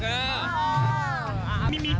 เหมือนกัน